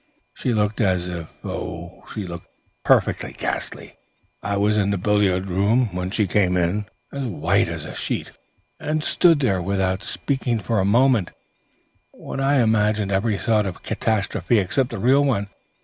She looked as if oh, she looked perfectly ghastly! I was in the billiard room when she came in, as white as a sheet, and stood there without speaking for a minute, while I imagined every sort of catastrophe except the real one.